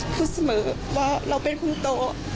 พูดเสมอว่าเราเป็นคนโต